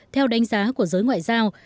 theo đánh giá của giới ngoại giao